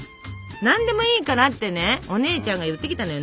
「何でもいいから」ってねお姉ちゃんが言ってきたのよ。